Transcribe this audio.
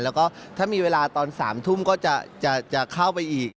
แล้วก็ถ้ามีเวลาตอน๓ทุ่มก็จะเข้าไปอีก